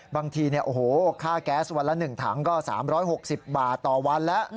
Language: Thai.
บางทีค่าแก๊สวันละ๑ถังก็๓๖๐บาทต่อวันแล้ว